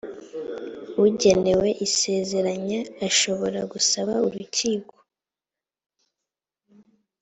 ugenewe isezeranya ashobora gusaba urukiko